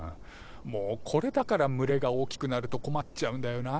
もうこれだから群れが大きくなると困っちゃうんだよな。